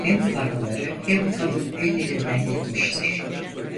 Hem paraları hem kadın ellerinden gitmiştir.